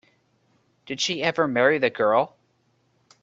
Did she ever marry the girl?